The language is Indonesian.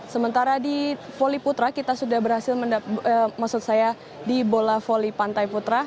sementara di voli putra kita sudah berhasil maksud saya di bola voli pantai putra